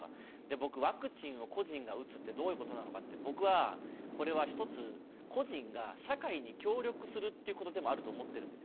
僕、ワクチンを個人が打つってどういうことなのか僕はこれは一つ個人が社会に協力するということでもあると思ってるんです。